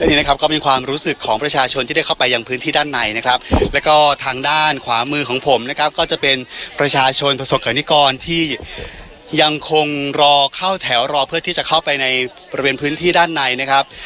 นี่นะครับก็เป็นความรู้สึกของประชาชนที่ได้เข้าไปยังพื้นที่ด้านในนะครับแล้วก็ทางด้านขวามือของผมนะครับก็จะเป็นประชาชนประสบกรณิกรที่ยังคงรอเข้าแถวรอเพื่อที่จะเข้าไปในบริเวณพื้นที่ด้านในนะครับ